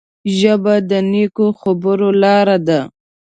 ژبه د نیکو خبرو لاره ده